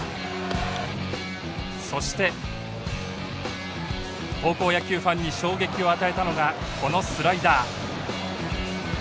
そして高校野球ファンに衝撃を与えたのがこのスライダー。